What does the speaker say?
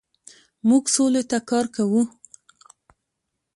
موږ سولې ته کار کوو.